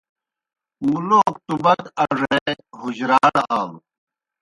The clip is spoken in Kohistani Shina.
مُلوک ٹُبَک اڙے حُجراڑ آلوْ۔